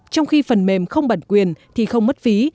trong khi phần mềm không bản quyền thì không mất phí